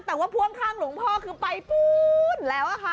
แต่ว่าพ่วงข้างหลวงพ่อคือไปปูนแล้วค่ะ